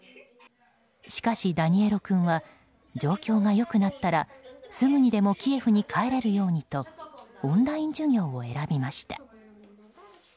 しかし、ダニエロ君は状況が良くなったらすぐにでもキエフに帰れるようにとオンライン授業を選びました。